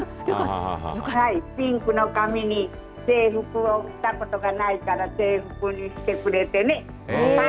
ピンクの髪に制服を着たことがないから制服にしてくれてね。